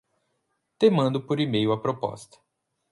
Te mando por e-mail a proposta